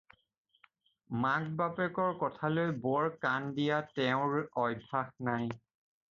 মাক-বাপেকৰ কথালৈ বৰ কাণ দিয়া তেওঁৰ অভ্যাস নাই।